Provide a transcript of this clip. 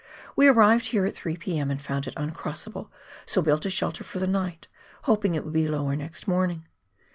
We arrived here at 3 p.m. and found it uncrossable, so built a shelter for the night, hoping it would be lower next morning.